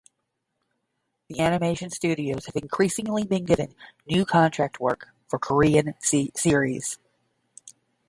The animation studios have increasingly been given new contract work for Korean series.